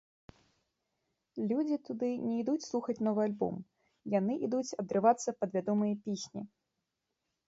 Людзі туды не ідуць слухаць новы альбом, яны ідуць адрывацца пад вядомыя песні.